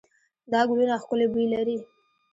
دا ګلونه ښکلې بوی لري.